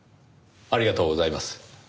ありがとうございます。